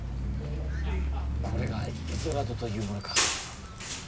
これがイゾラドというものか。